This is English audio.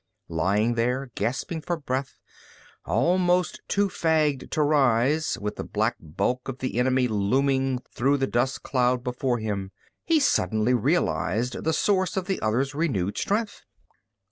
Lying there, gasping for breath, almost too fagged to rise, with the black bulk of the enemy looming through the dust cloud before him, he suddenly realized the source of the other's renewed strength.